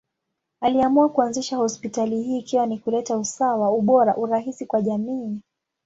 Aliamua kuanzisha hospitali hii ikiwa ni kuleta usawa, ubora, urahisi kwa jamii.